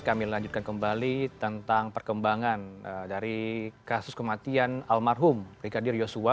kami lanjutkan kembali tentang perkembangan dari kasus kematian almarhum brigadir yosua